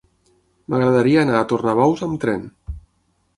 M'agradaria anar a Tornabous amb tren.